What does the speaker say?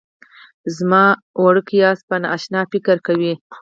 زما وړوکی اس به نا اشنا فکر کوي